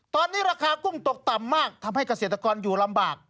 ตอนนี้ราคากุ้งตกต่ำมากทำให้เกษตรกรอยู่ลำบาก